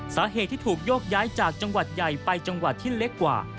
สาเหตุที่ถูกโยกย้ายจากจังหวัดใหญ่ไปจังหวัดที่เล็กกว่า